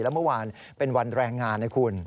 แล้วเมื่อวานเป็นวันแรงงานนะคุณ